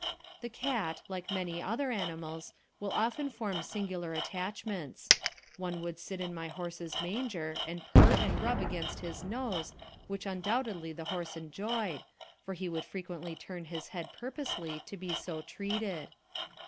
The cat, like many other animals, will often form singular attachments. One would sit in my horse's manger and purr and rub against his nose, which undoubtedly the horse enjoyed, for he would frequently turn his head purposely to be so treated.